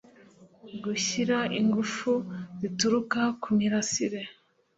gushira ingufu zituruka ku mirasire